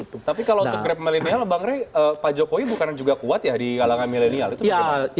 tapi kalau untuk krep milenial pak jokowi bukan juga kuat ya di alangnya milenial